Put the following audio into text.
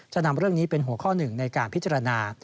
จะนำเรื่องนี้เป็นหัวข้อหนึ่งในการพิจารณา